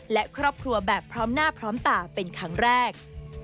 และครอบครัวแบบพร้อมหน้าพร้อมตาเป็นครั้งแรก